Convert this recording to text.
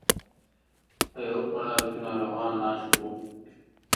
په یوه پړاو کې ناروغان ناست وو.